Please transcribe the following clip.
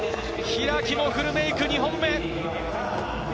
開もフルメイク、２本目。